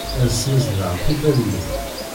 Ad smesdeɣ tiferyin.